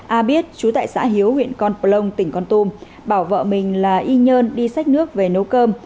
a biết chú tại xã hiếu huyện con plông tỉnh con tum bảo vợ mình là y nhơn đi sách nước về nấu cơm